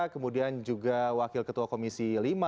kemudian juga wakil ketua komisi lima